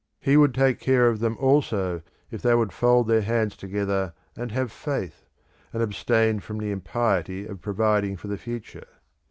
He would take care of them also if they would fold their hands together and have faith, and abstain from the impiety of providing for the future.